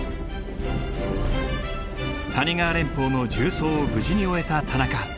谷川連峰の縦走を無事に終えた田中。